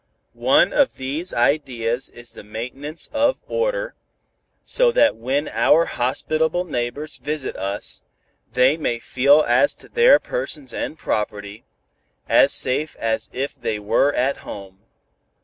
"One of these ideas is the maintenance of order, so that when our hospitable neighbors visit us, they may feel as to their persons and property, as safe as if they were at home.